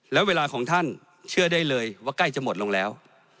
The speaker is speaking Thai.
แล้วเวลาของท่านเชื่อได้เลยว่าใกล้จะหมดลงแล้ว